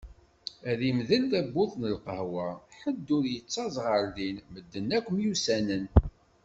Ad d-imdel tawwurt i lqahwa, ḥed ur yettaẓ ɣer din, medden akk myussanen.